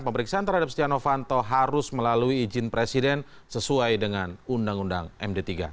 pemeriksaan terhadap setia novanto harus melalui izin presiden sesuai dengan undang undang md tiga